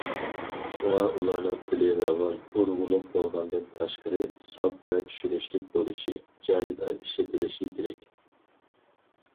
شۇڭا، ئۇلارنىڭ تىلى راۋان، ئۇرغۇلۇق بولغاندىن تاشقىرى، ساپ ۋە چۈشىنىشلىك بولۇشى، جايىدا ئىشلىتىلىشى كېرەك.